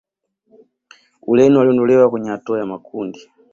Ureno waliondolewa kwenye hatua ya makundi